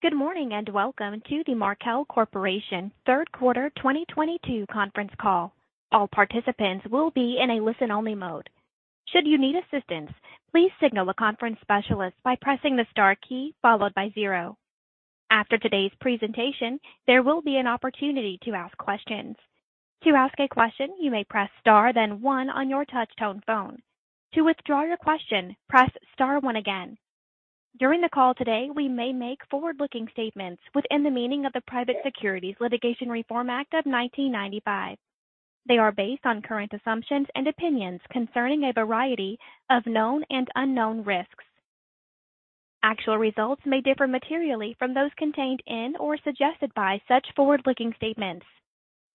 Good morning, and welcome to the Markel Corporation third 1/4 2022 conference call. All participants will be in a Listen-Only mode. Should you need assistance, please signal a conference specialist by pressing the star key followed by zero. After today's presentation, there will be an opportunity to ask questions. To ask a question, you may press Star then one on your touch tone phone. To withdraw your question, press star one again. During the call today, we may make Forward-Looking statements within the meaning of the Private Securities Litigation Reform Act of 1995. They are based on current assumptions and opinions concerning a variety of known and unknown risks. Actual results may differ materially from those contained in or suggested by such Forward-Looking statements.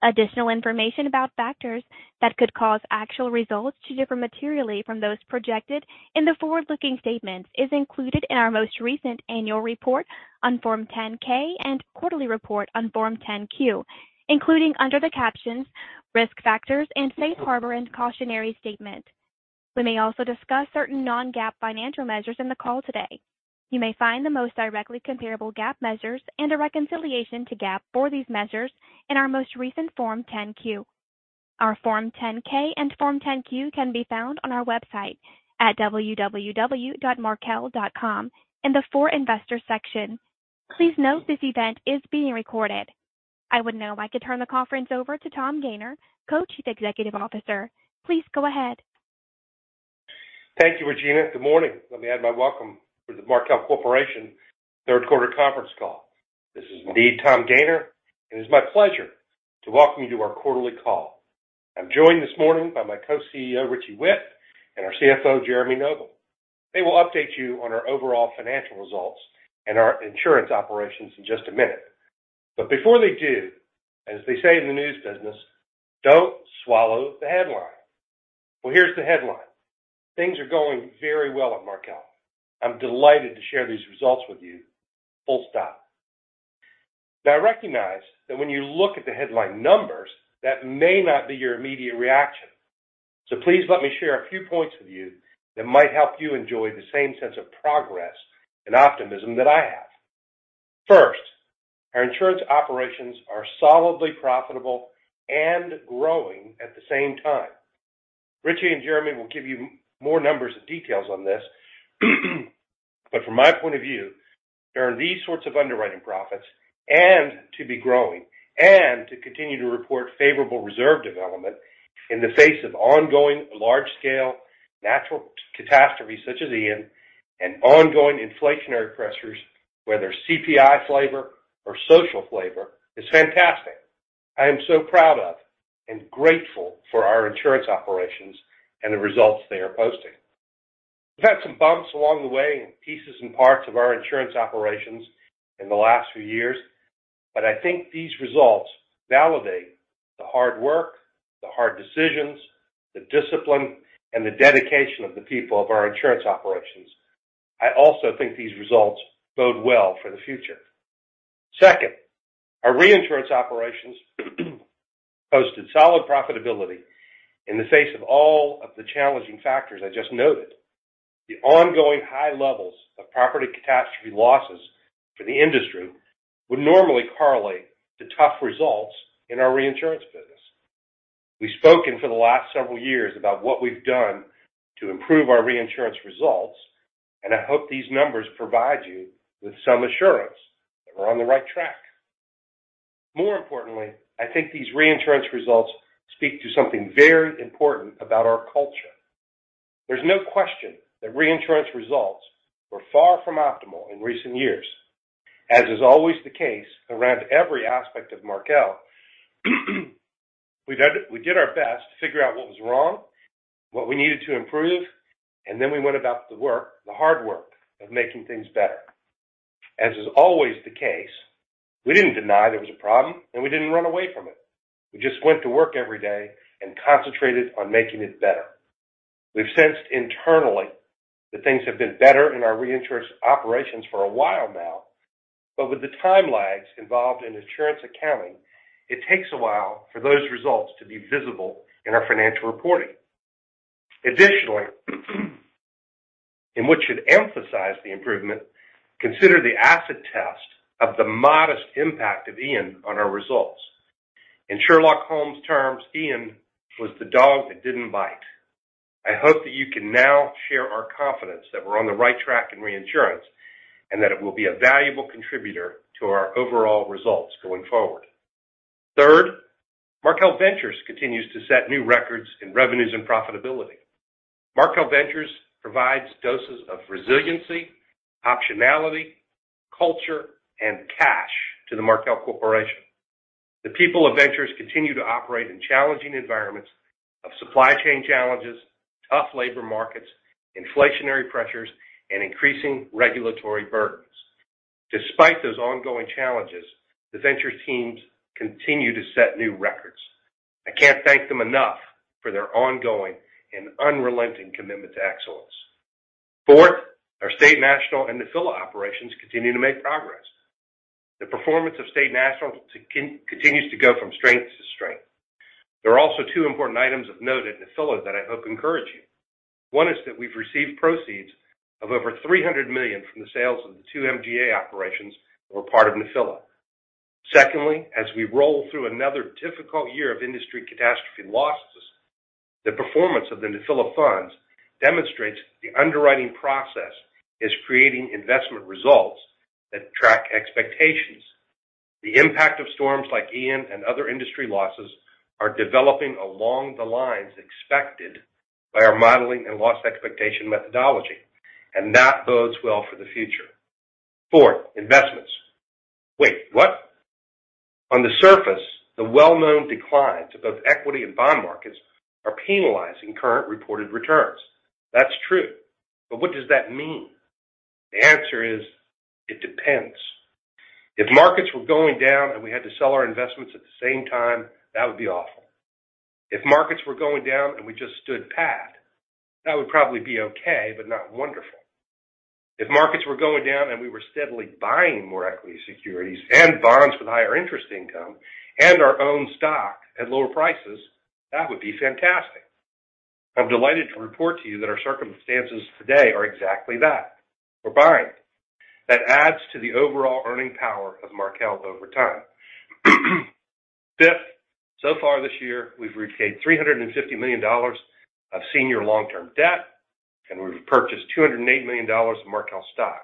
Additional information about factors that could cause actual results to differ materially from those projected in the Forward-Looking statements is included in our most recent annual report on Form 10-K and quarterly report on Form 10-Q, including under the captions Risk Factors and Safe Harbor and Cautionary Statement. We may also discuss certain Non-GAAP financial measures in the call today. You may find the most directly comparable GAAP measures and a reconciliation to GAAP for these measures in our most recent Form 10-Q. Our Form 10-K and Form 10-Q can be found on our website at www.markel.com in the For Investors section. Please note this event is being recorded. I would now like to turn the conference over to Tom Gayner, Co-Chief Executive Officer. Please go ahead. Thank you, Regina. Good morning. Let me add my welcome for the Markel Corporation third 1/4 conference call. This is indeed Tom Gayner, and it's my pleasure to welcome you to our quarterly call. I'm joined this morning by my Co-CEO, Richard Witt, and our CFO, Jeremy Noble. They will update you on our overall financial results and our insurance operations in just a minute. Before they do, as they say in the news business, don't swallow the headline. Well, here's the headline: Things are going very well at Markel. I'm delighted to share these results with you, full stop. Now, I recognize that when you look at the headline numbers, that may not be your immediate reaction. Please let me share a few points with you that might help you enjoy the same sense of progress and optimism that I have. First, our insurance operations are solidly profitable and growing at the same time. Richard and Jeremy will give you more numbers and details on this. From my point of view, to earn these sorts of underwriting profits and to be growing and to continue to report favorable reserve development in the face of ongoing Large-Scale natural catastrophes such as Ian and ongoing inflationary pressures, whether CPI flavor or social flavor, is fantastic. I am so proud of and grateful for our insurance operations and the results they are posting. We've had some bumps along the way in pieces and parts of our insurance operations in the last few years, but I think these results validate the hard work, the hard decisions, the discipline, and the dedication of the people of our insurance operations. I also think these results bode well for the future. Second, our reinsurance operations posted solid profitability in the face of all of the challenging factors I just noted. The ongoing high levels of property catastrophe losses for the industry would normally correlate to tough results in our reinsurance business. We've spoken for the last several years about what we've done to improve our reinsurance results, and I hope these numbers provide you with some assurance that we're on the right track. More importantly, I think these reinsurance results speak to something very important about our culture. There's no question that reinsurance results were far from optimal in recent years. As is always the case around every aspect of Markel, we did our best to figure out what was wrong, what we needed to improve, and then we went about the work, the hard work of making things better. As is always the case, we didn't deny there was a problem, and we didn't run away from it. We just went to work every day and concentrated on making it better. We've sensed internally that things have been better in our reinsurance operations for a while now, but with the time lags involved in insurance accounting, it takes a while for those results to be visible in our financial reporting. Additionally, and we should emphasize the improvement, consider the acid test of the modest impact of Hurricane Ian on our results. In Sherlock Holmes terms, Hurricane Ian was the dog that didn't bite. I hope that you can now share our confidence that we're on the right track in reinsurance and that it will be a valuable contributor to our overall results going forward. Third, Markel Ventures continues to set new records in revenues and profitability. Markel Ventures provides doses of resiliency, optionality, culture, and cash to the Markel Corporation. The people of Ventures continue to operate in challenging environments of supply chain challenges, tough labor markets, inflationary pressures, and increasing regulatory burdens. Despite those ongoing challenges, the Ventures teams continue to set new records. I can't thank them enough for their ongoing and unrelenting commitment to excellence. Fourth, our State National and Nephila operations continue to make progress. The performance of State National continues to go from strength to strength. There are also two important items of note at Nephila that I hope encourage you. One is that we've received proceeds of over $300 million from the sales of the two MGA operations that were part of Nephila. Secondly, as we roll through another difficult year of industry catastrophe losses, the performance of the Nephila funds demonstrates the underwriting process is creating investment results that track expectations. The impact of storms like Ian and other industry losses are developing along the lines expected by our modeling and loss expectation methodology, and that bodes well for the future. Four, investments. Wait, what? On the surface, the Well-Known declines of both equity and bond markets are penalizing current reported returns. That's true, but what does that mean? The answer is, it depends. If markets were going down and we had to sell our investments at the same time, that would be awful. If markets were going down and we just stood pat, that would probably be okay, but not wonderful. If markets were going down and we were steadily buying more equity securities and bonds with higher interest income and our own stock at lower prices, that would be fantastic. I'm delighted to report to you that our circumstances today are exactly that. We're buying. That adds to the overall earning power of Markel over time. Fifth, so far this year, we've repaid $350 million of senior Long-Term debt, and we've repurchased $208 million of Markel stock.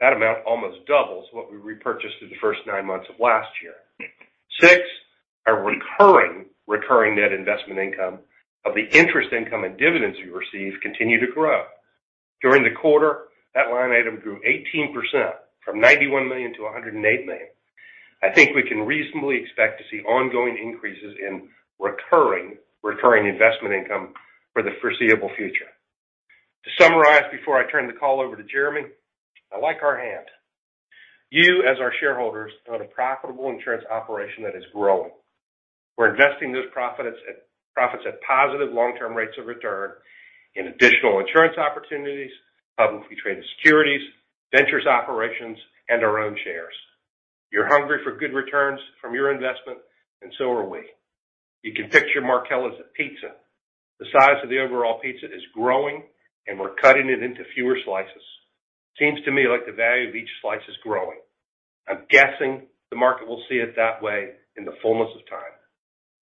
That amount almost doubles what we repurchased in the first 9 months of last year. Six, our recurring net investment income of the interest income and dividends we receive continue to grow. During the 1/4, that line item grew 18% from $91 million to $108 million. I think we can reasonably expect to see ongoing increases in recurring investment income for the foreseeable future. To summarize, before I turn the call over to Jeremy, I like our hand. You, as our shareholders, own a profitable insurance operation that is growing. We're investing those profits at positive Long-Term rates of return in additional insurance opportunities, publicly traded securities, Ventures operations, and our own shares. You're hungry for good returns from your investment, and so are we. You can picture Markel as a pizza. The size of the overall pizza is growing, and we're cutting it into fewer slices. Seems to me like the value of each slice is growing. I'm guessing the market will see it that way in the fullness of time.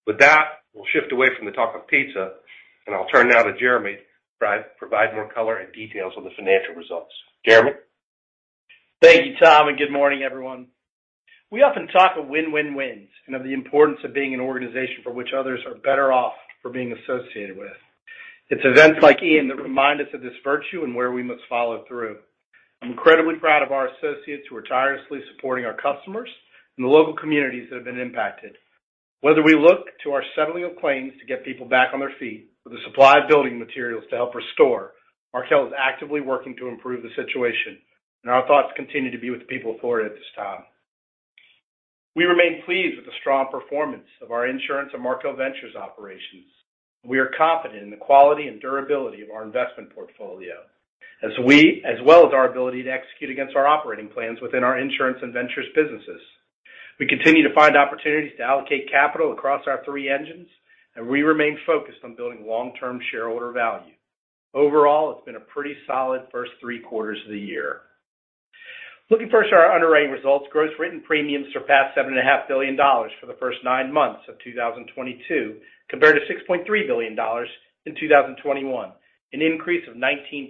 With that, we'll shift away from the talk of pizza, and I'll turn now to Jeremy to provide more color and details on the financial results. Jeremy? Thank you, Tom, and good morning, everyone. We often talk of win-win-wins and of the importance of being an organization for which others are better off for being associated with. It's events like Ian that remind us of this virtue and where we must follow through. I'm incredibly proud of our associates who are tirelessly supporting our customers and the local communities that have been impacted. Whether we look to our settling of claims to get people back on their feet or the supply of building materials to help restore, Markel is actively working to improve the situation, and our thoughts continue to be with the people of Florida at this time. We remain pleased with the strong performance of our insurance and Markel Ventures operations. We are confident in the quality and durability of our investment portfolio as we. as well as our ability to execute against our operating plans within our insurance and ventures businesses. We continue to find opportunities to allocate capital across our three engines, and we remain focused on building Long-Term shareholder value. Overall, it's been a pretty solid first 3 quarters of the year. Looking first at our underwriting results, gross written premiums surpassed $7.5 billion for the first 9 months of 2022, compared to $6.3 billion in 2021, an increase of 19%.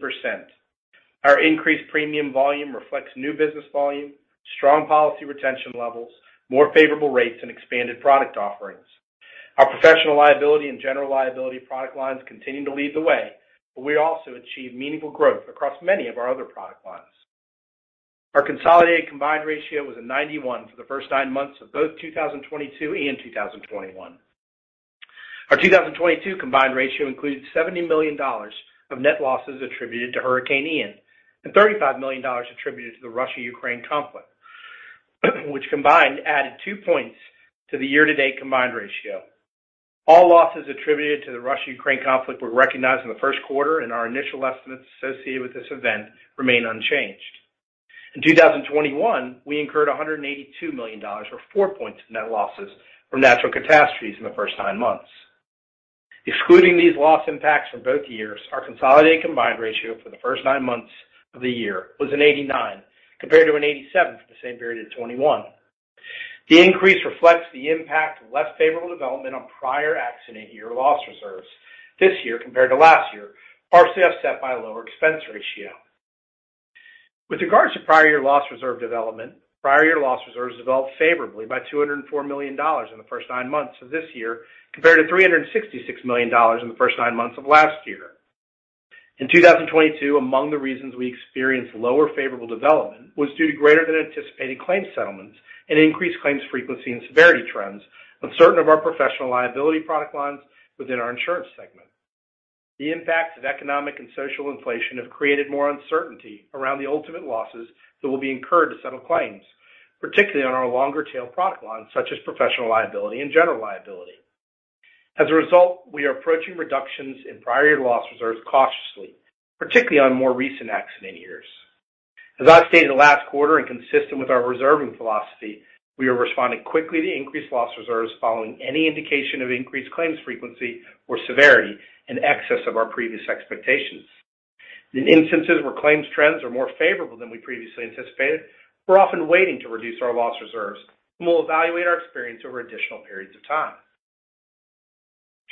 Our increased premium volume reflects new business volume, strong policy retention levels, more favorable rates, and expanded product offerings. Our professional liability and general liability product lines continue to lead the way, but we also achieve meaningful growth across many of our other product lines. Our consolidated combined ratio was 91 for the first 9 months of both 2022 and 2021. Our 2022 combined ratio includes $70 million of net losses attributed to Hurricane Ian and $35 million attributed to the Russo-Ukrainian conflict, which combined added 2 points to the Year-To-Date combined ratio. All losses attributed to the Russo-Ukrainian conflict were recognized in the first 1/4, and our initial estimates associated with this event remain unchanged. In 2021, we incurred $182 million, or 4 points, in net losses from natural catastrophes in the first 9 months. Excluding these loss impacts from both years, our consolidated combined ratio for the first 9 months of the year was 89, compared to 87 for the same period in 2021. The increase reflects the impact of less favorable development on prior accident year loss reserves this year compared to last year, partially offset by a lower expense ratio. With regards to prior year loss reserve development, prior year loss reserves developed favorably by $204 million in the first 9 months of this year, compared to $366 million in the first 9 months of last year. In 2022, among the reasons we experienced lower favorable development was due to greater than anticipated claims settlements and increased claims frequency and severity trends on certain of our professional liability product lines within our insurance segment. The impacts of economic and social inflation have created more uncertainty around the ultimate losses that will be incurred to settle claims, particularly on our longer tail product lines such as professional liability and general liability. As a result, we are approaching reductions in prior year loss reserves cautiously, particularly on more recent accident years. As I stated last 1/4, and consistent with our reserving philosophy, we are responding quickly to increased loss reserves following any indication of increased claims frequency or severity in excess of our previous expectations. In instances where claims trends are more favorable than we previously anticipated, we're often waiting to reduce our loss reserves, and we'll evaluate our experience over additional periods of time.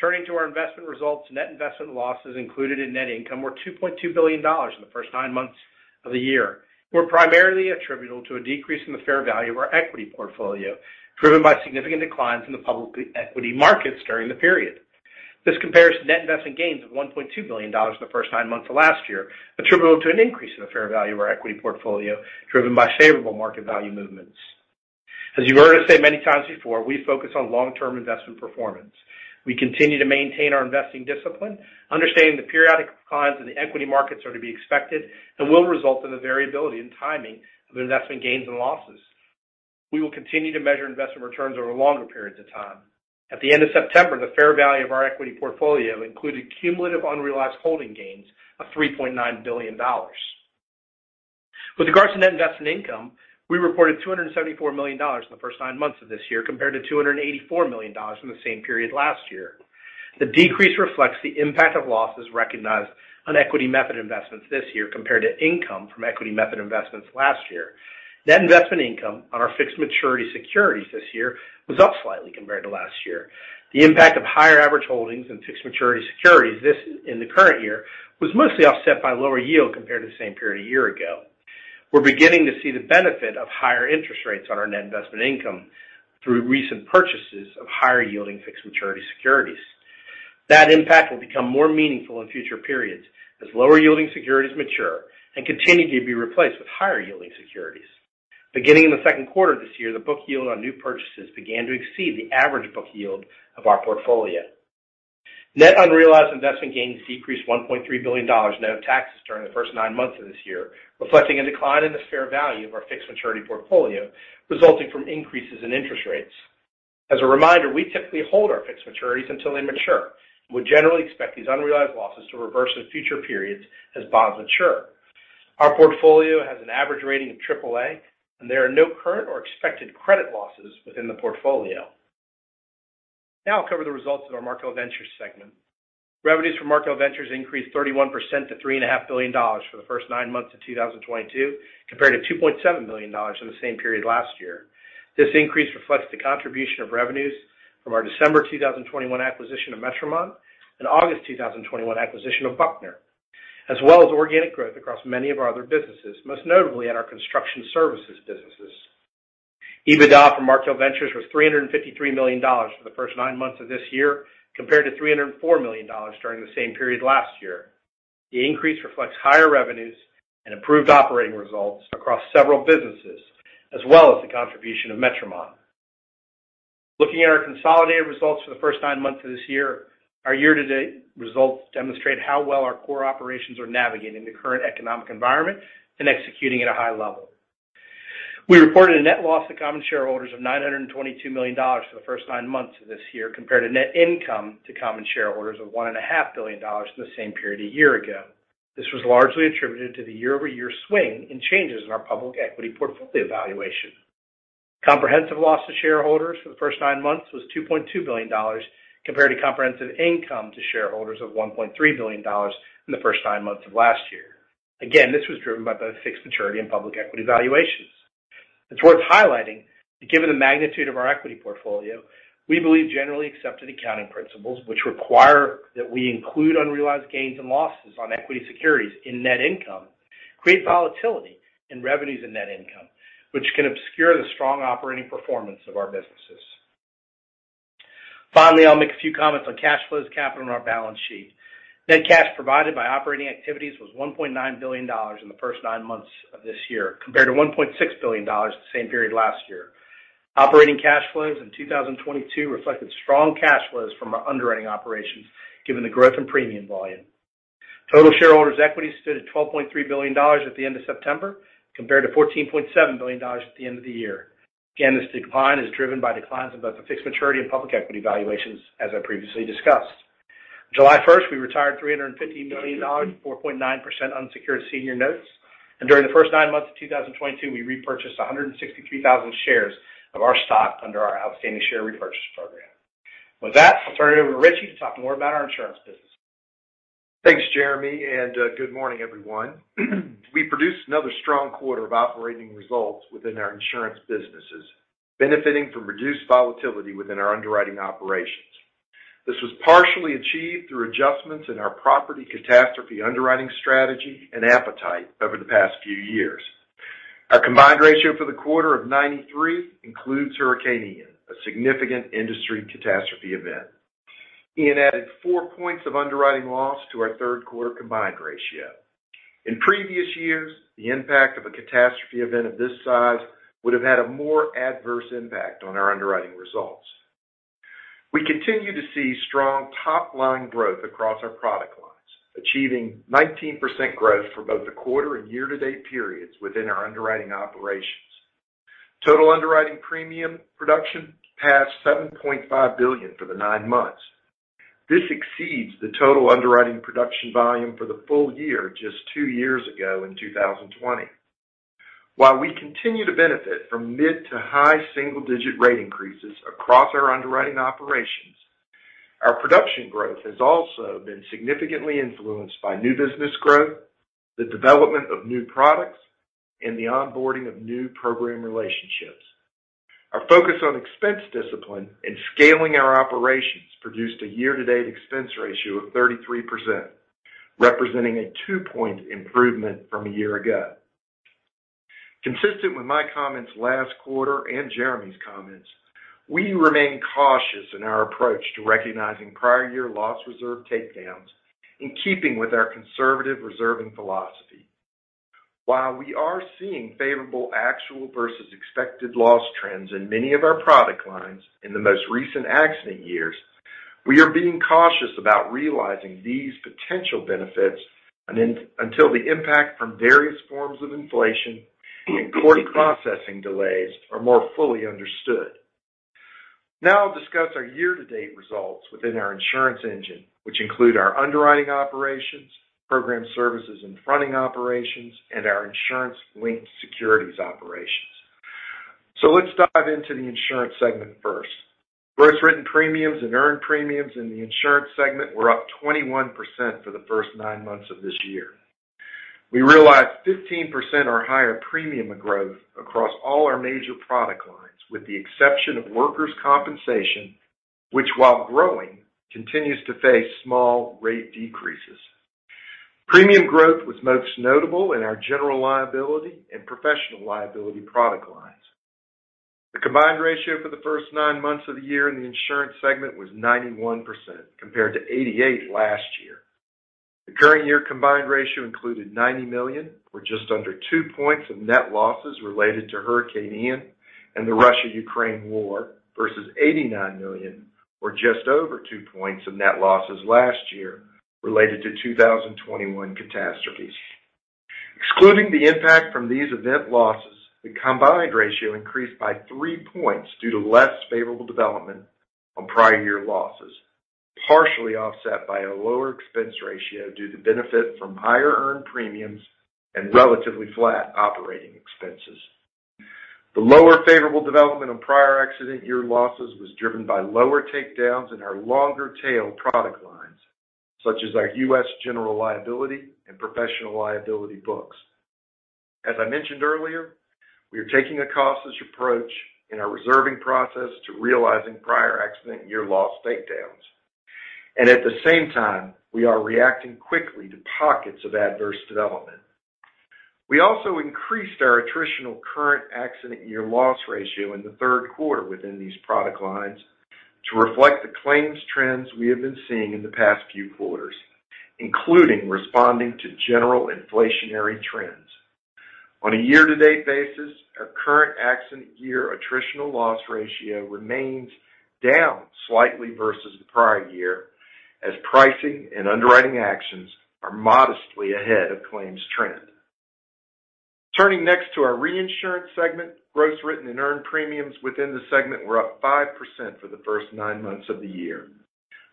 Turning to our investment results, net investment losses included in net income were $2.2 billion in the first 9 months of the year, were primarily attributable to a decrease in the fair value of our equity portfolio, driven by significant declines in the public equity markets during the period. This compares to net investment gains of $1.2 billion in the first 9 months of last year, attributable to an increase in the fair value of our equity portfolio, driven by favorable market value movements. As you've heard us say many times before, we focus on Long-Term investment performance. We continue to maintain our investing discipline, understanding the periodic declines in the equity markets are to be expected and will result in the variability and timing of investment gains and losses. We will continue to measure investment returns over longer periods of time. At the end of September, the fair value of our equity portfolio included cumulative unrealized holding gains of $3.9 billion. With regards to net investment income, we reported $274 million in the first 9 months of this year compared to $284 million from the same period last year. The decrease reflects the impact of losses recognized on equity method investments this year compared to income from equity method investments last year. Net investment income on our fixed maturity securities this year was up slightly compared to last year. The impact of higher average holdings in fixed maturity securities in the current year was mostly offset by lower yield compared to the same period a year ago. We're beginning to see the benefit of higher interest rates on our net investment income through recent purchases of higher yielding fixed maturity securities. That impact will become more meaningful in future periods as lower yielding securities mature and continue to be replaced with higher yielding securities. Beginning in the second 1/4 of this year, the book yield on new purchases began to exceed the average book yield of our portfolio. Net unrealized investment gains decreased $1.3 billion net of taxes during the first 9 months of this year, reflecting a decline in the fair value of our fixed maturity portfolio, resulting from increases in interest rates. As a reminder, we typically hold our fixed maturities until they mature. We generally expect these unrealized losses to reverse in future periods as bonds mature. Our portfolio has an average rating of AAA, and there are no current or expected credit losses within the portfolio. Now I'll cover the results of our Markel Ventures segment. Revenues from Markel Ventures increased 31% to $3.5 billion for the first 9 months of 2022, compared to $2.7 billion in the same period last year. This increase reflects the contribution of revenues from our December 2021 acquisition of Metromont and August 2021 acquisition of Buckner, as well as organic growth across many of our other businesses, most notably at our construction services businesses. EBITDA from Markel Ventures was $353 million for the first 9 months of this year, compared to $304 million during the same period last year. The increase reflects higher revenues and improved operating results across several businesses, as well as the contribution of Metromont. Looking at our consolidated results for the first 9 months of this year, our Year-To-Date results demonstrate how well our core operations are navigating the current economic environment and executing at a high level. We reported a net loss to common shareholders of $922 million for the first 9 months of this year, compared to net income to common shareholders of $1.5 billion in the same period a year ago. This was largely attributed to the Year-Over-Year swing in changes in our public equity portfolio valuation. Comprehensive loss to shareholders for the first 9 months was $2.2 billion compared to comprehensive income to shareholders of $1.3 billion in the first 9 months of last year. Again, this was driven by both fixed maturity and public equity valuations. It's worth highlighting that given the magnitude of our equity portfolio, we believe generally accepted accounting principles, which require that we include unrealized gains and losses on equity securities in net income, create volatility in revenues and net income, which can obscure the strong operating performance of our businesses. Finally, I'll make a few comments on cash flows, capital on our balance sheet. Net cash provided by operating activities was $1.9 billion in the first 9 months of this year, compared to $1.6 billion the same period last year. Operating cash flows in 2022 reflected strong cash flows from our underwriting operations, given the growth in premium volume. Total shareholders equity stood at $12.3 billion at the end of September, compared to $14.7 billion at the end of the year. Again, this decline is driven by declines in both the fixed maturity and public equity valuations, as I previously discussed. July first, we retired $350 million, 4.9% unsecured senior notes. During the first 9 months of 2022, we repurchased 163,000 shares of our stock under our outstanding share repurchase program. With that, I'll turn it over to Richard to talk more about our insurance business. Thanks, Jeremy, and good morning, everyone. We produced another strong 1/4 of operating results within our insurance businesses, benefiting from reduced volatility within our underwriting operations. This was partially achieved through adjustments in our property catastrophe underwriting strategy and appetite over the past few years. Our combined ratio for the 1/4 of 93 includes Hurricane Ian, a significant industry catastrophe event. Ian added four points of underwriting loss to our third 1/4 combined ratio. In previous years, the impact of a catastrophe event of this size would have had a more adverse impact on our underwriting results. We continue to see strong Top-Line growth across our product lines, achieving 19% growth for both the 1/4 and Year-To-Date periods within our underwriting operations. Total underwriting premium production passed $7.5 billion for the 9 months. This exceeds the total underwriting production volume for the full year just two years ago in 2020. While we continue to benefit from mid- to high Single-Digit rate increases across our underwriting operations, our production growth has also been significantly influenced by new business growth, the development of new products, and the onboarding of new program relationships. Our focus on expense discipline and scaling our operations produced a Year-To-Date expense ratio of 33%, representing a 2-point improvement from a year ago. Consistent with my comments last 1/4 and Jeremy's comments, we remain cautious in our approach to recognizing prior year loss reserve takedowns in keeping with our conservative reserving philosophy. While we are seeing favorable actual versus expected loss trends in many of our product lines in the most recent accident years, we are being cautious about realizing these potential benefits until the impact from various forms of inflation and court processing delays are more fully understood. Now I'll discuss our Year-To-Date results within our insurance engine, which include our underwriting operations, program services and fronting operations, and our insurance-linked securities operations. Let's dive into the insurance segment first. Gross written premiums and earned premiums in the insurance segment were up 21% for the first 9 months of this year. We realized 15% or higher premium growth across all our major product lines, with the exception of workers' compensation, which, while growing, continues to face small rate decreases. Premium growth was most notable in our general liability and professional liability product lines. The combined ratio for the first 9 months of the year in the insurance segment was 91%, compared to 88% last year. The current year combined ratio included $90 million, or just under 2 points of net losses related to Hurricane Ian and the Russo-Ukrainian war, versus $89 million, or just over 2 points of net losses last year related to 2021 catastrophes. Excluding the impact from these event losses, the combined ratio increased by 3 points due to less favorable development on prior year losses, partially offset by a lower expense ratio due to benefit from higher earned premiums and relatively flat operating expenses. The lower favorable development on prior accident year losses was driven by lower takedowns in our longer tail product lines, such as our U.S. general liability and professional liability books. As I mentioned earlier, we are taking a cautious approach in our reserving process to realizing prior accident year loss takedowns. At the same time, we are reacting quickly to pockets of adverse development. We also increased our attritional current accident year loss ratio in the third 1/4 within these product lines to reflect the claims trends we have been seeing in the past few quarters, including responding to general inflationary trends. On a Year-To-Date basis, our current accident year attritional loss ratio remains down slightly versus the prior year as pricing and underwriting actions are modestly ahead of claims trend. Turning next to our reinsurance segment, gross written and earned premiums within the segment were up 5% for the first 9 months of the year.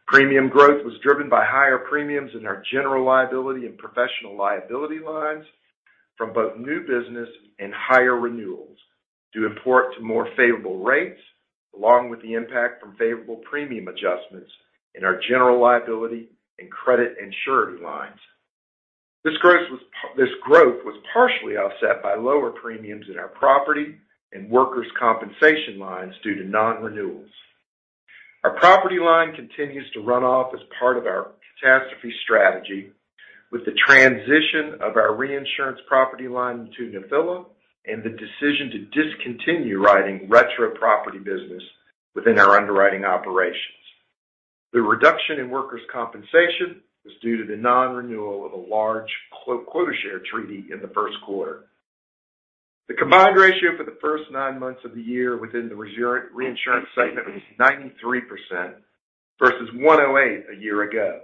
Premium growth was driven by higher premiums in our general liability and professional liability lines from both new business and higher renewals due in part to more favorable rates, along with the impact from favorable premium adjustments in our general liability and credit and surety lines. This growth was partially offset by lower premiums in our property and workers' compensation lines due to Non-renewals. Our property line continues to run off as part of our catastrophe strategy with the transition of our reinsurance property line to Nephila and the decision to discontinue writing retro property business within our underwriting operations. The reduction in workers' compensation was due to the Non-renewal of a large quota share treaty in the first 1/4. The combined ratio for the first 9 months of the year within the reinsurance segment was 93% versus 108% a year ago.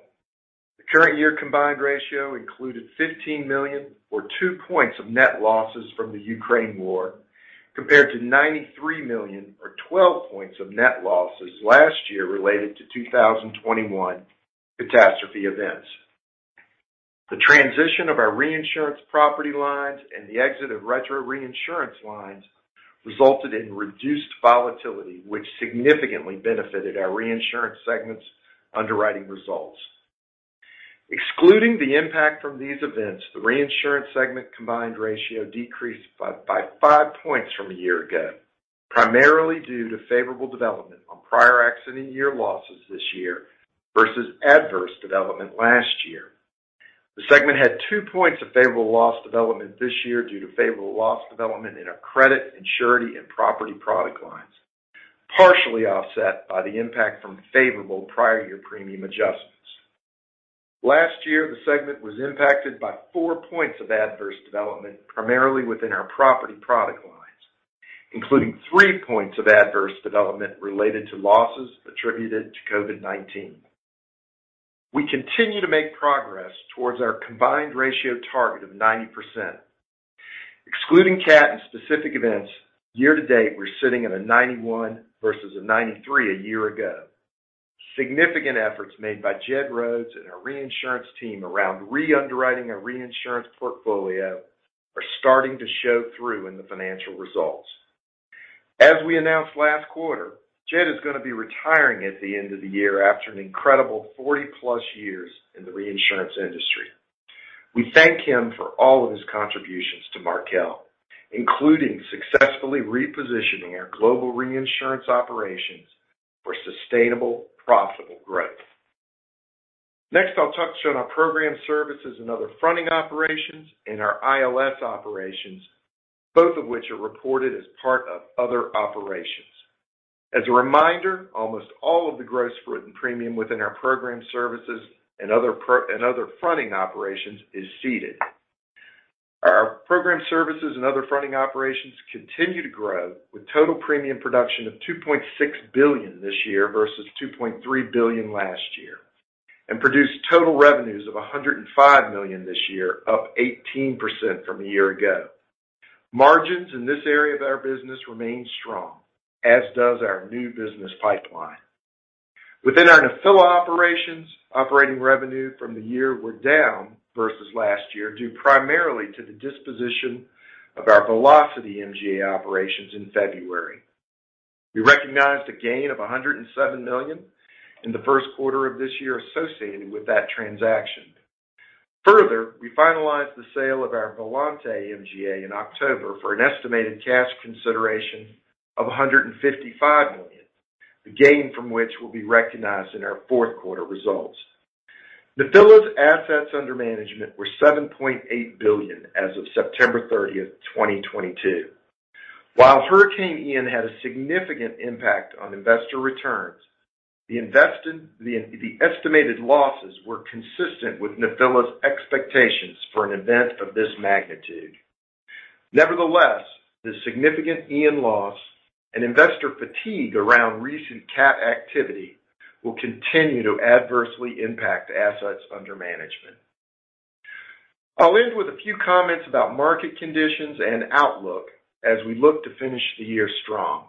The current year combined ratio included $15 million or 2 points of net losses from the Ukraine war, compared to $93 million or 12 points of net losses last year related to 2021 catastrophe events. The transition of our reinsurance property lines and the exit of retro reinsurance lines resulted in reduced volatility, which significantly benefited our reinsurance segment's underwriting results. Excluding the impact from these events, the reinsurance segment combined ratio decreased by five points from a year ago, primarily due to favorable development on prior accident year losses this year versus adverse development last year. The segment had 2 points of favorable loss development this year due to favorable loss development in our credit, and surety, and property product lines, partially offset by the impact from favorable prior year premium adjustments. Last year, the segment was impacted by 4 points of adverse development, primarily within our property product lines, including 3 points of adverse development related to losses attributed to COVID-19. We continue to make progress towards our combined ratio target of 90%. Excluding cat and specific events, Year-To-Date, we're sitting at a 91% versus a 93% a year ago. Significant efforts made by Jed Rhoads and our reinsurance team around Re-Underwriting our reinsurance portfolio are starting to show through in the financial results. As we announced last 1/4, Jed is gonna be retiring at the end of the year after an incredible 40+ years in the reinsurance industry. We thank him for all of his contributions to Markel, including successfully repositioning our global reinsurance operations for sustainable, profitable growth. Next, I'll talk to you on our program services and other fronting operations and our ILS operations, both of which are reported as part of other operations. As a reminder, almost all of the gross written premium within our program services and other fronting operations is ceded. Our program services and other fronting operations continue to grow with total premium production of $2.6 billion this year versus $2.3 billion last year, and produced total revenues of $105 million this year, up 18% from a year ago. Margins in this area of our business remain strong, as does our new business pipeline. Within our Nephila operations, operating revenue from the year were down versus last year, due primarily to the disposition of our Velocity MGA operations in February. We recognized a gain of $107 million in the first 1/4 of this year associated with that transaction. Further, we finalized the sale of our Volante MGA in October for an estimated cash consideration of $155 million, the gain from which will be recognized in our fourth 1/4 results. Nephila's assets under management were $7.8 billion as of September 30, 2022. While Hurricane Ian had a significant impact on investor returns, the estimated losses were consistent with Nephila's expectations for an event of this magnitude. Nevertheless, the significant Ian loss and investor fatigue around recent cat activity will continue to adversely impact assets under management. I'll end with a few comments about market conditions and outlook as we look to finish the year strong.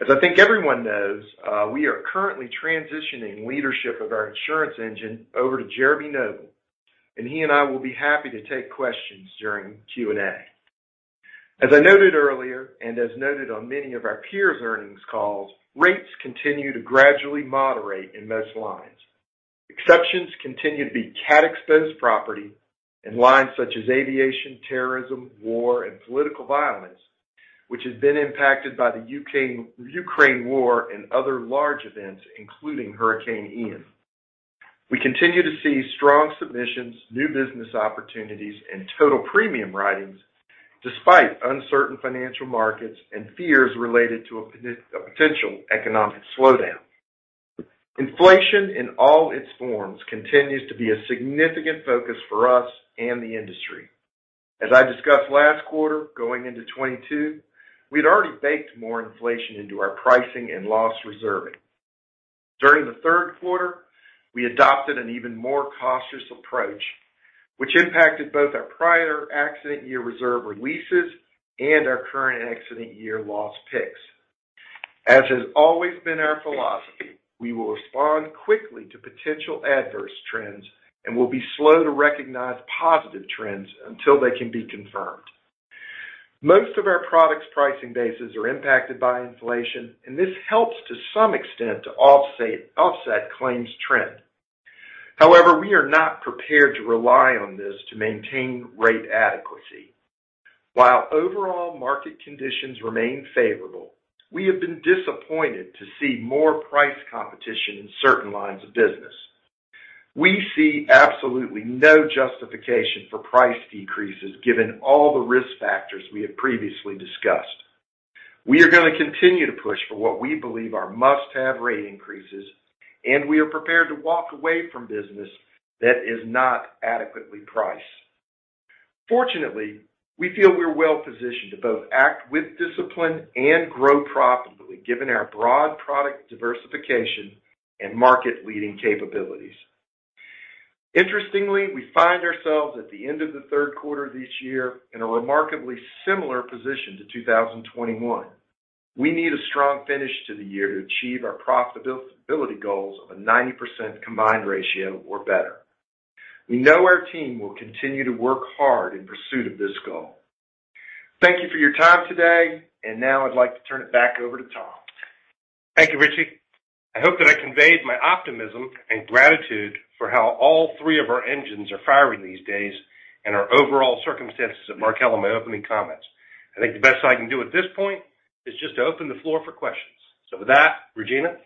As I think everyone knows, we are currently transitioning leadership of our insurance engine over to Jeremy Noble, and he and I will be happy to take questions during Q&A. As I noted earlier, and as noted on many of our peers' earnings calls, rates continue to gradually moderate in most lines. Exceptions continue to be cat-exposed property in lines such as aviation, terrorism, war, and political violence, which has been impacted by the Russo-Ukrainian war and other large events, including Hurricane Ian. We continue to see strong submissions, new business opportunities, and total premium writings despite uncertain financial markets and fears related to a potential economic slowdown. Inflation in all its forms continues to be a significant focus for us and the industry. As I discussed last 1/4, going into 2022, we'd already baked more inflation into our pricing and loss reserving. During the third 1/4, we adopted an even more cautious approach, which impacted both our prior accident year reserve releases and our current accident year loss picks. As has always been our philosophy, we will respond quickly to potential adverse trends and will be slow to recognize positive trends until they can be confirmed. Most of our products' pricing bases are impacted by inflation, and this helps to some extent to offset claims trend. However, we are not prepared to rely on this to maintain rate adequacy. While overall market conditions remain favorable, we have been disappointed to see more price competition in certain lines of business. We see absolutely no justification for price decreases given all the risk factors we have previously discussed. We are gonna continue to push for what we believe are must-have rate increases, and we are prepared to walk away from business that is not adequately priced. Fortunately, we feel we're well-positioned to both act with discipline and grow profitably, given our broad product diversification and market-leading capabilities. Interestingly, we find ourselves at the end of the third 1/4 this year in a remarkably similar position to 2021. We need a strong finish to the year to achieve our profitability goals of a 90% combined ratio or better. We know our team will continue to work hard in pursuit of this goal. Thank you for your time today, and now I'd like to turn it back over to Tom. Thank you, Richard. I hope that I conveyed my optimism and gratitude for how all three of our engines are firing these days and our overall circumstances at Markel in my opening comments. I think the best I can do at this point is just to open the floor for questions. With that, Regina?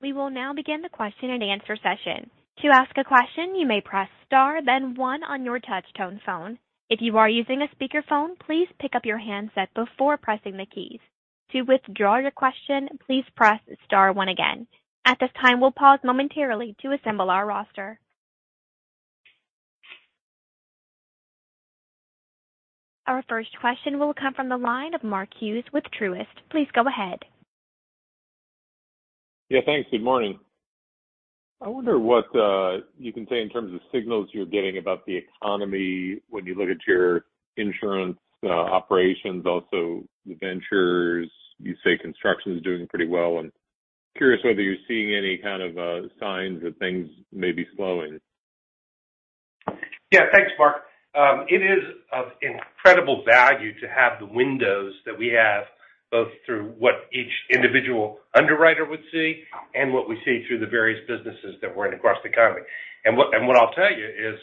We will now begin the question-and-answer session. To ask a question, you may press star then one on your touch tone phone. If you are using a speakerphone, please pick up your handset before pressing the keys. To withdraw your question, please press star one again. At this time, we'll pause momentarily to assemble our roster. Our first question will come from the line of Mark Hughes with Truist. Please go ahead. Yeah, thanks. Good morning. I wonder what you can say in terms of signals you're getting about the economy when you look at your insurance operations, also the ventures. You say construction is doing pretty well. I'm curious whether you're seeing any kind of signs that things may be slowing. Yeah. Thanks, Mark. It is of incredible value to have the windows that we have, both through what each individual underwriter would see and what we see through the various businesses that we're in across the economy. What I'll tell you is,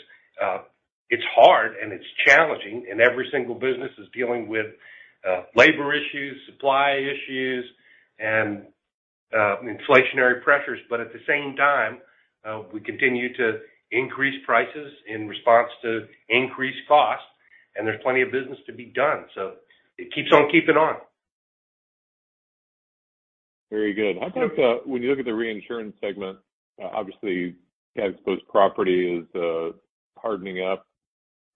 it's hard and it's challenging, and every single business is dealing with labor issues, supply issues, and inflationary pressures. At the same time, we continue to increase prices in response to increased costs, and there's plenty of business to be done. It keeps on keeping on. Very good. How about, when you look at the reinsurance segment, obviously cat exposed property is hardening up.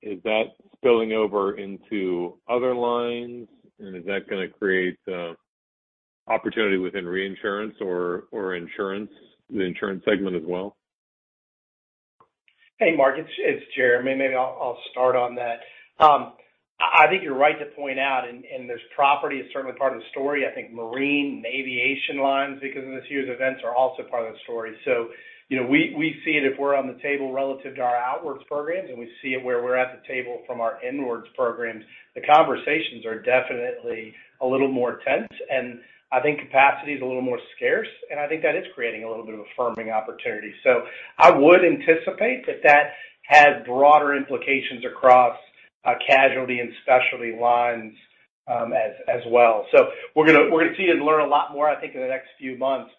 Is that spilling over into other lines? Is that going to create opportunity within reinsurance or insurance, the insurance segment as well? Hey, Mark, it's Jeremy. Maybe I'll start on that. I think you're right to point out, and there's property is certainly part of the story. I think marine and aviation lines because of this year's events are also part of the story. You know, we see it if we're on the table relative to our outward programs, and we see it where we're at the table from our inward programs. The conversations are definitely a little more tense, and I think capacity is a little more scarce, and I think that is creating a little bit of a firming opportunity. I would anticipate that has broader implications across casualty and specialty lines, as well. We're gonna see and learn a lot more, I think, in the next few months.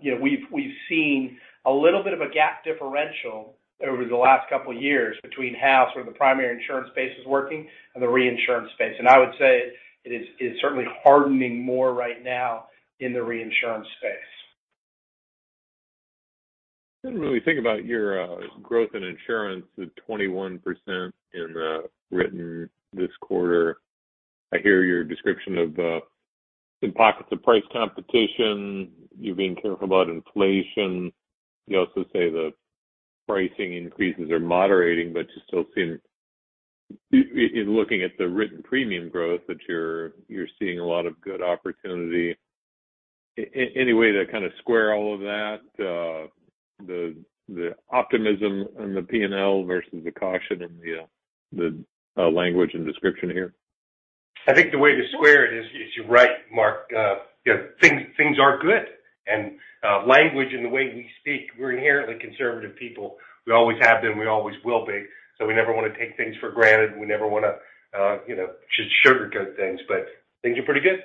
You know, we've seen a little bit of a gap differential over the last couple of years between how sort of the primary insurance space is working and the reinsurance space. I would say it is certainly hardening more right now in the reinsurance space. When we think about your growth in insurance at 21% in written premiums this 1/4, I hear your description of some pockets of price competition. You're being careful about inflation. You also say the pricing increases are moderating, but you're still seeing, in looking at the written premium growth, that you're seeing a lot of good opportunity. Any way to kind of square all of that, the optimism in the P&L versus the caution in the language and description here? I think the way to square it is, you're right, Mark. You know, things are good. Language and the way we speak, we're inherently conservative people. We always have been, we always will be. We never want to take things for granted. We never wanna just sugarcoat things, but things are pretty good.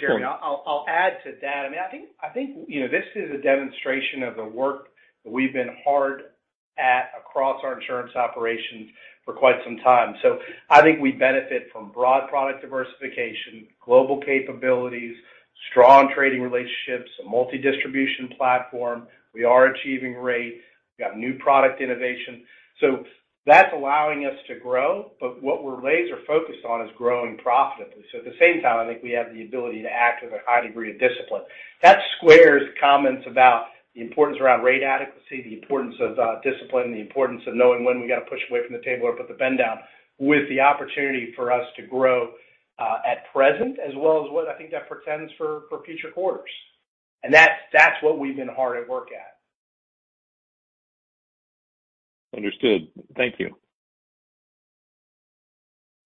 Jeremy. I'll add to that. I think this is a demonstration of the work that we've been hard at across our insurance operations for quite some time. I think we benefit from broad product diversification, global capabilities, strong trading relationships, a multi-distribution platform. We are achieving rates. We got new product innovation. That's allowing us to grow. But what we're laser-focused on is growing profitably. At the same time, I think we have the ability to act with a high degree of discipline. That squares comments about the importance around rate adequacy, the importance of, discipline, the importance of knowing when we got to push away from the table or put the pen down with the opportunity for us to grow, at present as well as what I think that portends for future quarters. That's what we've been hard at work at. Understood. Thank you.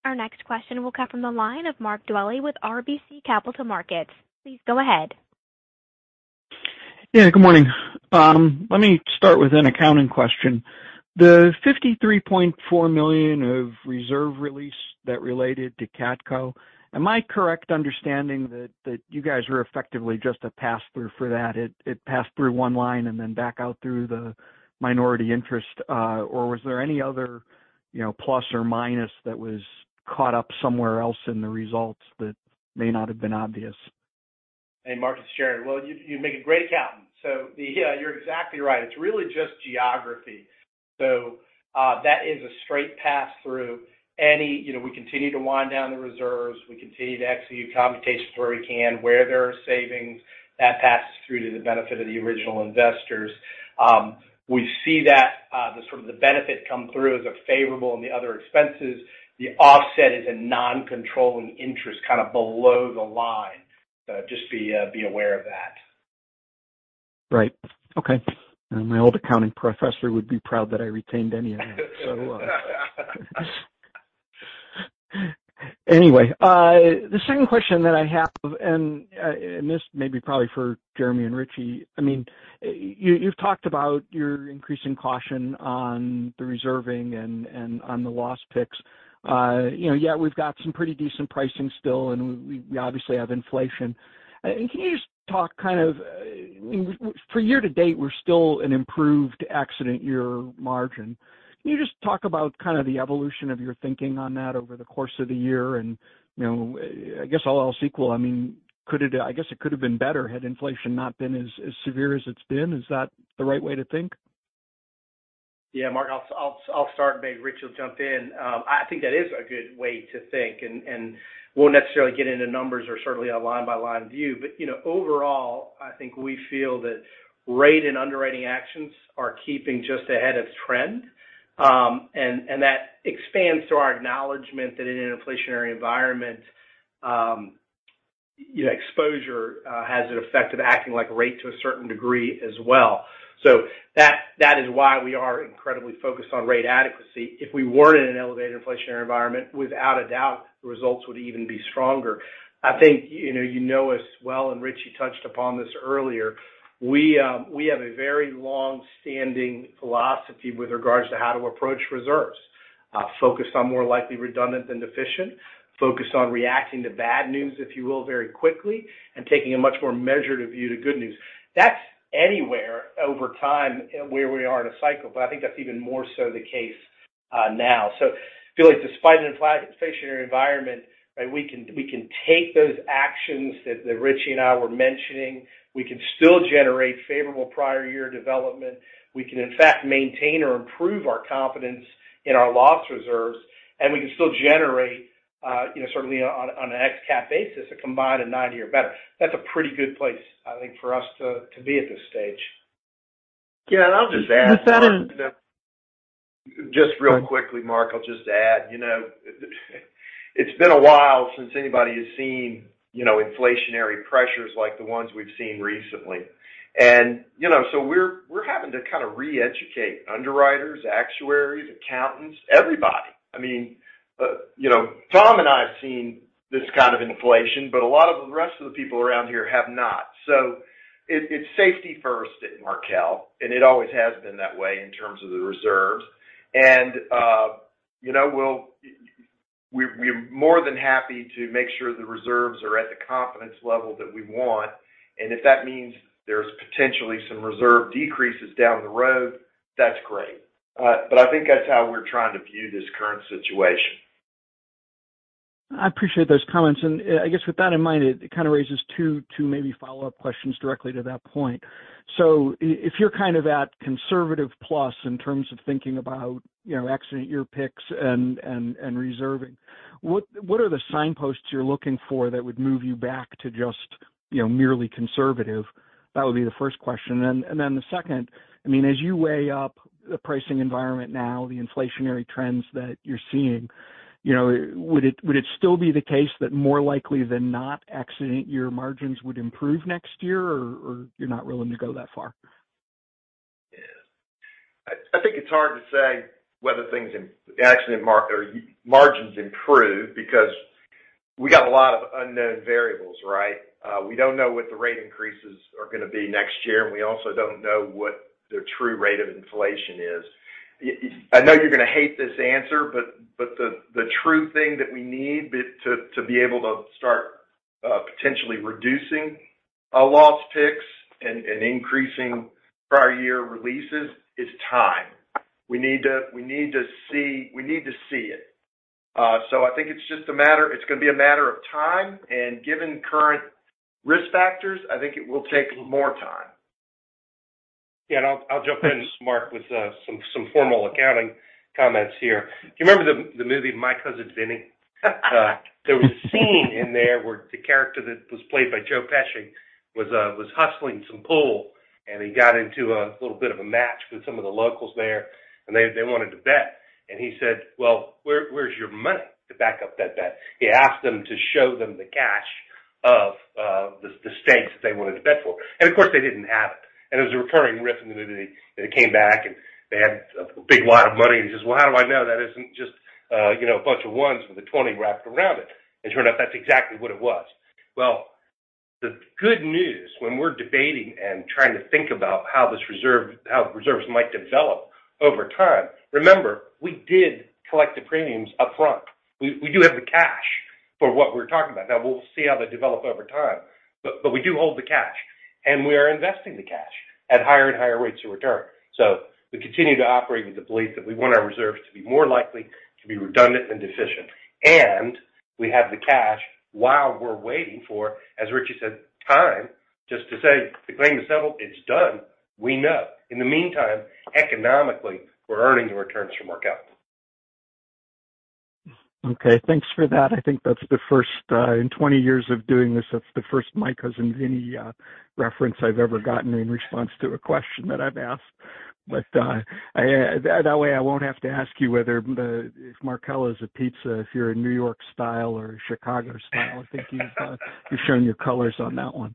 Our next question will come from the line of Mark Dwelle with RBC Capital Markets. Please go ahead. Yeah, good morning. Let me start with an accounting question. The $53.4 million of reserve release that related to CatCo, am I correct understanding that you guys were effectively just a pass-through for that? It passed through one line and then back out through the minority interest. Was there any other, you know, plus or minus that was caught up somewhere else in the results that may not have been obvious? Hey, Mark, it's Jeremy. Well, you'd make a great accountant. Yeah, you're exactly right. It's really just geography. That is a straight Pass-Through. You know, we continue to wind down the reserves. We continue to execute computations where we can. Where there are savings, that passes through to the benefit of the original investors. We see that, the sort of benefit come through as a favorable in the other expenses. The offset is a Non-Controlling interest, kind of below the line. Just be aware of that. Right. Okay. My old accounting professor would be proud that I retained any of that. Anyway, the second question that I have, and this may be probably for Jeremy and Richard. I mean, you've talked about your increasing caution on the reserving and on the loss picks. You know, yeah, we've got some pretty decent pricing still, and we obviously have inflation. Can you just talk kind of for year to date, we're still an improved accident year margin. Can you just talk about kind of the evolution of your thinking on that over the course of the year? You know, I guess all else equal, I mean, I guess it could have been better had inflation not been as severe as it's been. Is that the right way to think? Yeah, Mark, I'll start and maybe Richard l will jump in. I think that is a good way to think, and we'll necessarily get into numbers or certainly a Line-By-Line view. You know, overall, I think we feel that rate and underwriting actions are keeping just ahead of trend. That expands to our acknowledgement that in an inflationary environment, you know, exposure has an effect of acting like rate to a certain degree as well. That is why we are incredibly focused on rate adequacy. If we weren't in an elevated inflationary environment, without a doubt, the results would even be stronger. I think you know us well, and Rich, you touched upon this earlier. We have a very long-standing philosophy with regards to how to approach reserves. Focused on more likely redundant than deficient, focused on reacting to bad news, if you will, very quickly, and taking a much more measured view to good news. That's anywhere over time where we are in a cycle, but I think that's even more so the case now. I feel like despite an inflationary environment, right, we can take those actions that Richard and I were mentioning. We can still generate favorable prior year development. We can, in fact, maintain or improve our confidence in our loss reserves, and we can still generate, you know, certainly on an ex-cat basis, a combined ratio of 90 or better. That's a pretty good place, I think, for us to be at this stage. Yeah. I'll just add, Mark. Is that a- Just real quickly, Mark, I'll just add. You know, it's been a while since anybody has seen, you know, inflationary pressures like the ones we've seen recently. You know, we're having to kind of reeducate underwriters, actuaries, accountants, everybody. I mean, you know, Tom and I have seen this kind of inflation, but a lot of the rest of the people around here have not. It's safety first at Markel, and it always has been that way in terms of the reserves. You know, we're more than happy to make sure the reserves are at the confidence level that we want, and if that means there's potentially some reserve decreases down the road, that's great. I think that's how we're trying to view this current situation. I appreciate those comments. I guess with that in mind, it kind of raises two maybe follow-up questions directly to that point. If you're kind of at conservative plus in terms of thinking about, you know, accident year picks and reserving, what are the signposts you're looking for that would move you back to just, you know, merely conservative? That would be the first question. Then the second, I mean, as you weigh up the pricing environment now, the inflationary trends that you're seeing, you know, would it still be the case that more likely than not accident year margins would improve next year, or you're not willing to go that far? Yeah. I think it's hard to say whether accident year or margins improve because we got a lot of unknown variables, right? We don't know what the rate increases are gonna be next year, and we also don't know what the true rate of inflation is. I know you're gonna hate this answer, but the true thing that we need to be able to start potentially reducing our loss picks and increasing prior year releases is time. We need to see it. I think it's just a matter of time, and given current risk factors, I think it will take more time. Yeah. I'll jump in, Mark, with some formal accounting comments here. Do you remember the movie My Cousin Vinny? There was a scene in there where the character that was played by Joe Pesci was hustling some pool, and he got into a little bit of a match with some of the locals there, and they wanted to bet. He said, "Well, where's your money to back up that bet?" He asked them to show them the cash of the stakes that they wanted to bet for. Of course, they didn't have it. It was a recurring riff, and they came back, and they had a big wad of money. He says, "Well, how do I know that isn't just, you know, a bunch of ones with a 20 wrapped around it?" It turned out that's exactly what it was. Well, the good news when we're debating and trying to think about how this reserve, how reserves might develop over time, remember, we did collect the premiums up front. We do have the cash for what we're talking about. Now, we'll see how they develop over time, but we do hold the cash, and we are investing the cash at higher and higher rates of return. We continue to operate with the belief that we want our reserves to be more likely to be redundant than deficient. We have the cash while we're waiting for, as Richard said, time just to say, "The claim is settled, it's done. We know. In the meantime, economically, we're earning the returns from Markel. Okay, thanks for that. I think that's the first in 20 years of doing this, that's the first My Cousin Vinny reference I've ever gotten in response to a question that I've asked. That way, I won't have to ask you whether the, if Markel is a pizza, if you're a New York style or Chicago style. I think you've shown your colors on that one.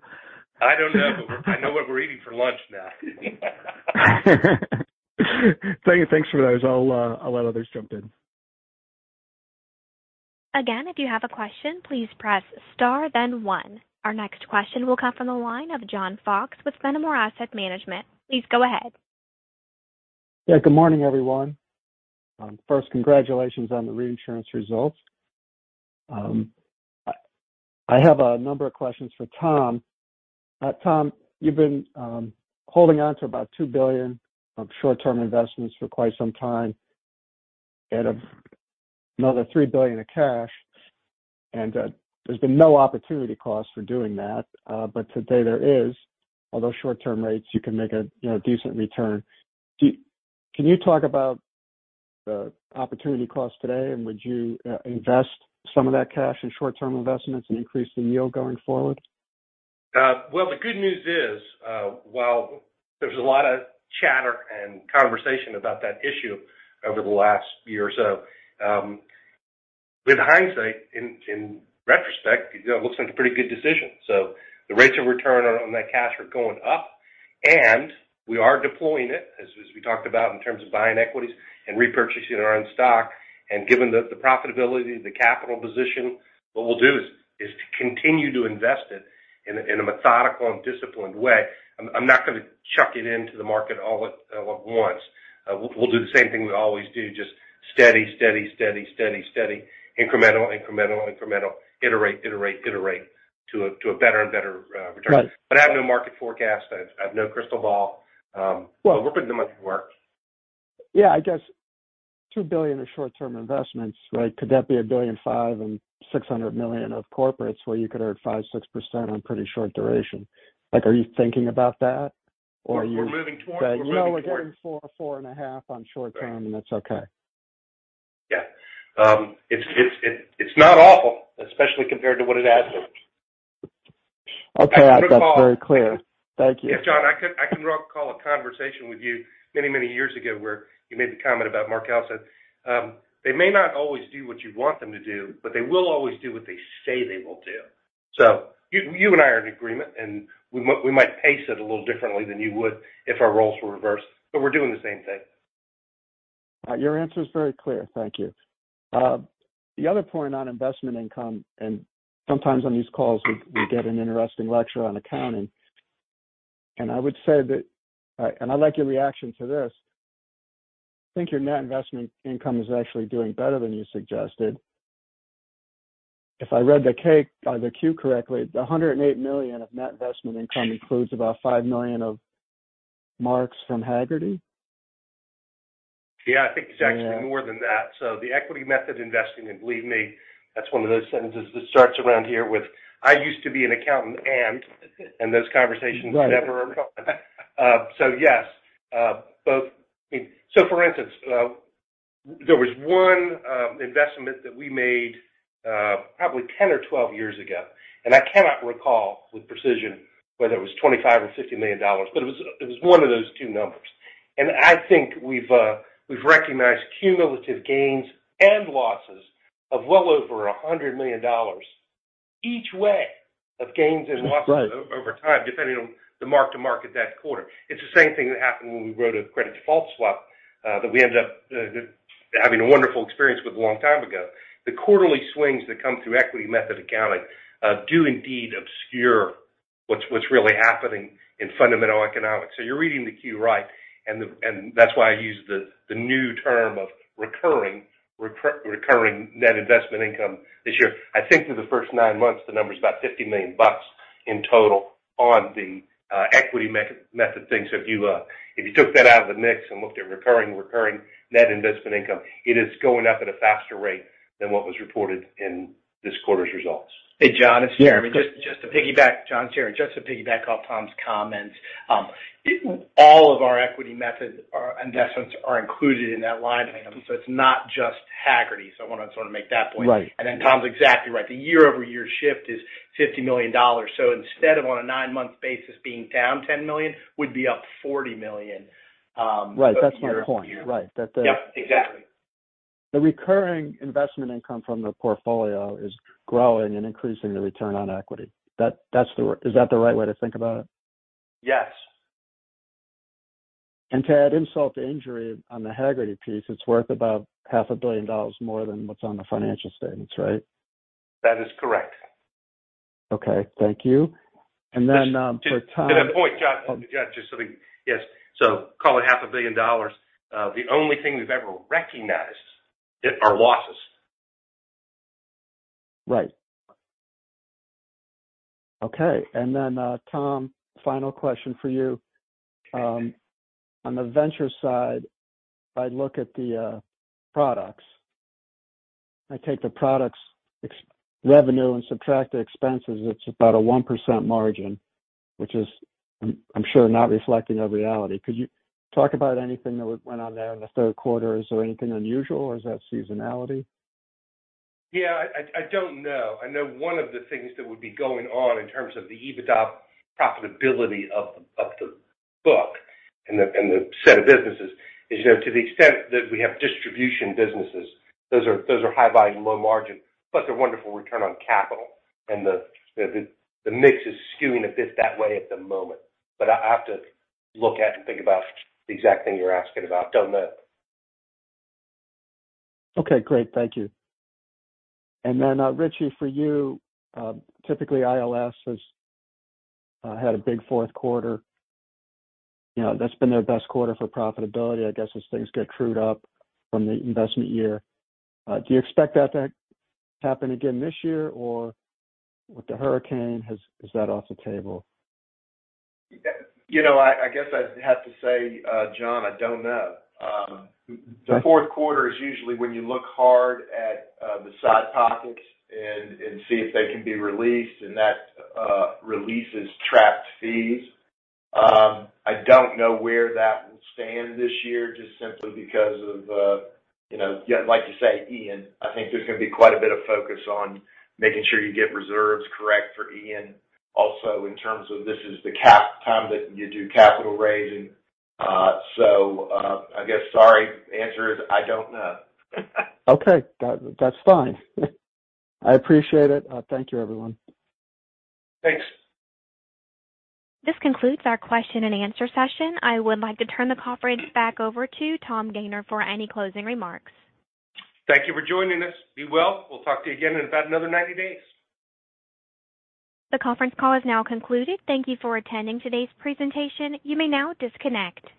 I don't know, but I know what we're eating for lunch now. Yeah, thanks for those. I'll let others jump in. Again, if you have a question, please press star then one. Our next question will come from the line of John Fox with Fenimore Asset Management. Please go ahead. Yeah, good morning, everyone. First, congratulations on the reinsurance results. I have a number of questions for Tom. Tom, you've been holding on to about $2 billion of short-term investments for quite some time. Another $3 billion in cash. There's been no opportunity cost for doing that. But today there is. Although Short-Term rates, you can make a, you know, decent return. Can you talk about the opportunity cost today? Would you invest some of that cash in short-term investments and increase the yield going forward? Well, the good news is, while there's a lot of chatter and conversation about that issue over the last year or so, with hindsight, in retrospect, you know, it looks like a pretty good decision. The rates of return on that cash are going up, and we are deploying it, as we talked about in terms of buying equities and repurchasing our own stock. Given the profitability, the capital position, what we'll do is to continue to invest it in a methodical and disciplined way. I'm not gonna chuck it into the market all at once. We'll do the same thing we always do, just steady, incremental, iterate to a better and better return. Right. I have no market forecast. I have no crystal ball. We're putting the money to work. Yeah, I guess $2 billion in short-term investments, right? Could that be $1.5 billion and $600 million of corporates where you could earn 5%-6% on pretty short duration? Like, are you thinking about that? Or you- We're moving towards it. You know we're doing 4-4.5% on short-term, and that's okay. Yeah. It's not awful, especially compared to what it has been. Okay. That's very clear. Thank you. Yeah, John, I can recall a conversation with you many, many years ago where you made the comment about Markel Corporation. They may not always do what you want them to do, but they will always do what they say they will do. You and I are in agreement, and we might pace it a little differently than you would if our roles were reversed, but we're doing the same thing. Your answer is very clear. Thank you. The other point on investment income, sometimes on these calls we get an interesting lecture on accounting, and I would say that. I'd like your reaction to this. I think your net investment income is actually doing better than you suggested. If I read the K, the Q correctly, the $108 million of net investment income includes about $5 million of marks from Hagerty. Yeah. I think it's actually more than that. The equity method investing, and believe me, that's one of those sentences that starts around here with, "I used to be an accountant, and..." Those conversations never occur. Yes, both. I mean, for instance, there was one investment that we made, probably 10 or 12 years ago. I cannot recall with precision whether it was $25 or $50 million, but it was one of those two numbers. I think we've recognized cumulative gains and losses of well over $100 million each way of gains and losses. Right Over time, depending on the mark to market that 1/4. It's the same thing that happened when we wrote a credit default swap, that we ended up having a wonderful experience with a long time ago. The quarterly swings that come through equity method accounting do indeed obscure what's really happening in fundamental economics. You're reading the Q right, and that's why I use the new term of recurring net investment income this year. I think for the first 9 months, the number is about $50 million in total on the equity method thing. So if you took that out of the mix and looked at recurring net investment income, it is going up at a faster rate than what was reported in this 1/4's results. Hey, John, it's Jeremy. Yeah. John, it's Jeremy. Just to piggyback off Tom's comments. All of our equity method investments are included in that line item. It's not just Hagerty. I wanna sort of make that point. Right. Tom's exactly right. The Year-Over-Year shift is $50 million. Instead of on a 9-month basis being down $10 million, we'd be up $40 million, Year-Over-Year. Right. That's my point. Right. Yep, exactly. The recurring investment income from the portfolio is growing and increasing the return on equity. Is that the right way to think about it? Yes. To add insult to injury on the Hagerty piece, it's worth about half a billion dollars more than what's on the financial statements, right? That is correct. Okay. Thank you. For Tom- To that point, John, call it half a billion dollars. The only thing we've ever recognized are losses. Right. Okay. Tom, final question for you. On the Ventures side, if I look at the products. I take the products revenue and subtract the expenses, it's about a 1% margin, which is, I'm sure, not reflective of reality. Could you talk about anything that went on there in the third 1/4? Is there anything unusual or is that seasonality? Yeah. I don't know. I know one of the things that would be going on in terms of the EBITDA profitability of the book and the set of businesses is, you know, to the extent that we have distribution businesses, those are high volume, low margin, but they're wonderful return on capital. The mix is skewing a bit that way at the moment. I have to look at and think about the exact thing you're asking about. Don't know. Okay, great. Thank you. Richard, for you, typically ILS has had a big fourth 1/4. You know, that's been their best 1/4 for profitability, I guess, as things get trued up from the investment year. Do you expect that to happen again this year? Or with the hurricane, is that off the table? You know, I guess I have to say, John, I don't know. Right. The fourth 1/4 is usually when you look hard at the side pockets and see if they can be released, and that releases trapped fees. I don't know where that will stand this year, just simply because of you know, like you say, Ian. I think there's gonna be quite a bit of focus on making sure you get reserves correct for Ian. Also, in terms of this is the time that you do capital raising. I guess, sorry, the answer is I don't know. Okay. That's fine. I appreciate it. Thank you everyone. Thanks. This concludes our question and answer session. I would like to turn the conference back over to Tom Gayner for any closing remarks. Thank you for joining us. Be well. We'll talk to you again in about another 90 days. The conference call has now concluded. Thank you for attending today's presentation. You may now disconnect.